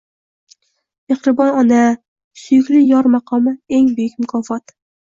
Mehribon ona, suyukli yor maqomi – eng buyuk mukofot